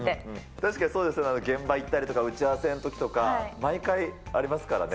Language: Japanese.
確かにそうですよね、現場行ったりとか、打ち合わせのときとか毎回ありますからね。